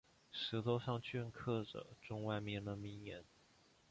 石头上镌刻着中外名人名言。